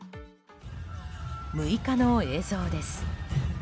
６日の映像です。